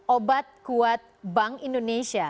obat kuat bank indonesia